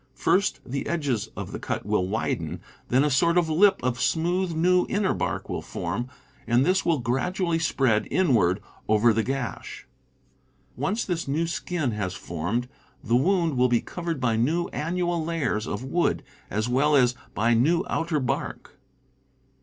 First the edges of the cut will widen, then a sort of lip of smoothe new inner bark will form, and this will gradually spread inward over the gash. Once this new skin has formed, the wound will be covered by new annual layers of wood, as well as by new outer bark.